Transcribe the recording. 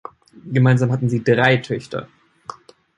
Gemeinsam hatten sie drei Töchter.